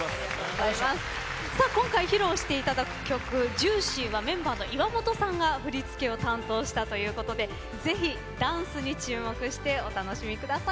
今回、披露していただく曲「ＪＵＩＣＹ」は、メンバーの岩本さんが振り付けを担当したということでぜひダンスに注目してお楽しみください。